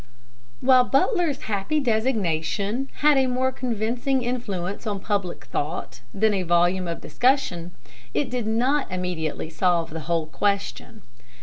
While Butler's happy designation had a more convincing influence on public thought than a volume of discussion, it did not immediately solve the whole question.